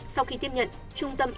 sau khi tiếp nhận trung tâm